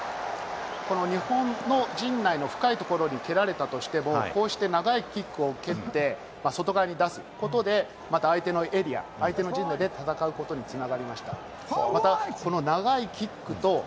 日本の陣内の深いところに蹴られたとしても、こうして長いキックを蹴って、外側に出すことで、また相手のエリア、相手の陣内で戦うことに繋がりました。